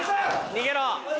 逃げろ。